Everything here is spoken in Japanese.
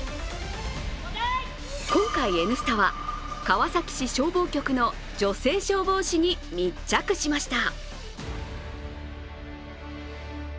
今回、「Ｎスタ」は川崎市消防局の女性消防士に密着しました。